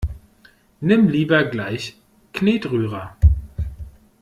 Nimm lieber gleich Knetrührer!